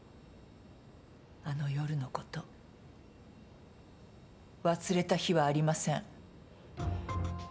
あの夜のこと忘れた日はありません。